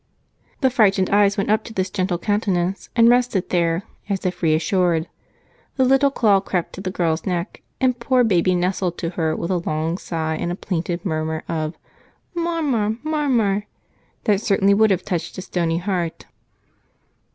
The frightened eyes went up to this gentle countenance and rested there as if reassured; the little claw crept to the girl's neck, and poor baby nestled to her with a long sigh and a plaintive murmur of "Marmar, marmar" that certainly would have touched a stony heart.